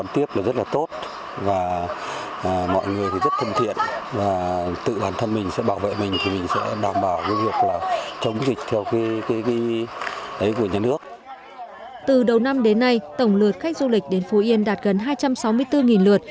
từ đầu năm đến nay tổng lượt khách du lịch đến phú yên đạt gần hai trăm sáu mươi bốn lượt